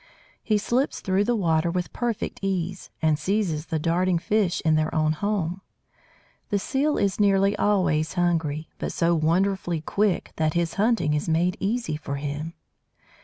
He slips through the water with perfect ease, and seizes the darting fish in their own home. The Seal is nearly always hungry, but so wonderfully quick that his hunting is made easy for him.